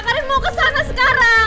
karin mau kesana sekarang